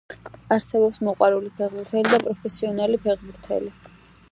არსებობს მოყვარული ფეხბურთელი და პროფესიონალი ფეხბურთელი.